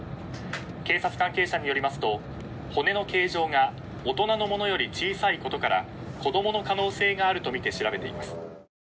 警察関係者によりますと骨の形状が大人のものより小さいことから子供の可能性があるとみて調べています。